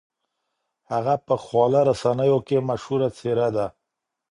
هغې په خواله رسنیو کې مشهوره څېره ده.